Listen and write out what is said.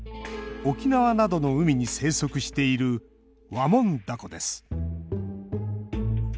沖縄などの海に生息しているワモンダコです。